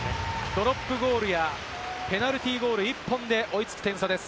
ドロップゴールやペナルティーゴール１本で追い付く点差です。